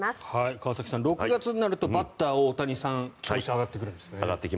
川崎さん、６月になるとバッター・大谷さん上がっていきますね。